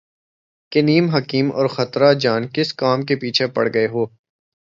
کہ نیم حکیم اور خطرہ جان ، کس کام کے پیچھے پڑ گئے ہو